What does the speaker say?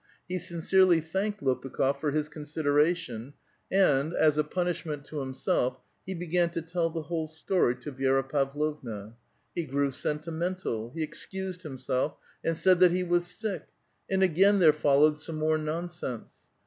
He sincerelv thanked Lopukh6f for his consideration ; and, as a punishment to himself, he began to tell the whole story to Vi^ra Pavlovna. He grew sentimental ; he excused himself, and said that he was sick, and again there followed some more nonsense.